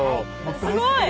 すごい！